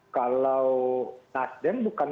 kalau nasden bukan